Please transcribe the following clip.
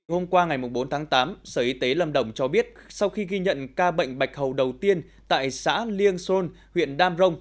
hôm qua ngày bốn tháng tám sở y tế lâm đồng cho biết sau khi ghi nhận ca bệnh bạch hầu đầu tiên tại xã liêng sôn huyện đam rồng